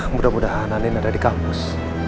mudah mudahan anin ada di kampus